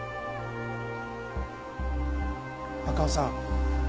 若尾さん